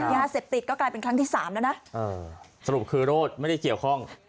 ยาเสพติดก็กลายเป็นครั้งที่สามแล้วนะสรุปคือโรธไม่ได้เกี่ยวข้อง